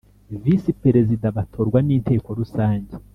Visi Perezida batorwa n Inteko Rusange